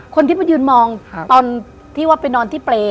คนที่มายืนมองตอนที่ว่าไปนอนที่เปรย์